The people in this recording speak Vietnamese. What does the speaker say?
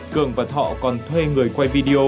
cường và thọ còn thuê người quay video